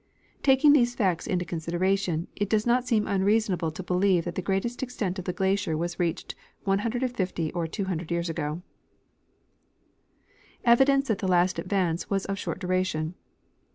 Taking these facts into con sideration, it does not seem unreasonable to believe that the greatest extent of the glacier was reached 150 or 200 years ago. Evidence that the last Advance was of Short Duration.